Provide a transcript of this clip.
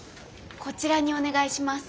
こちらにお願いします。